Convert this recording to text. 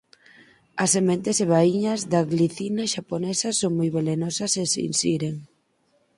As sementes e vaíñas da glicinia xaponesa son moi velenosas se se insiren.